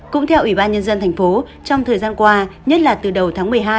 cũng theo ủy ban nhân dân tp trong thời gian qua nhất là từ đầu tháng một mươi hai